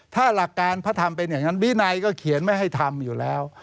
ถ้าหลักการพระธรรมเป็นอย่างนั้นวินัยก็เขียนไม่ให้ทำอยู่แล้ว